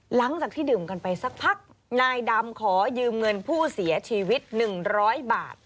หลังจากที่ดื่มกันไปสักพักนายดำขอยืมเงินผู้เสียชีวิต๑๐๐บาท